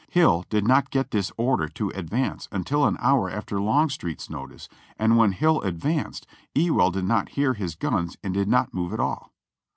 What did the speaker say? Hill did not get this order to advance until an hour after Longstreet's notice, and when Hill advanced, Ewell did not hear his guns and did not move at all.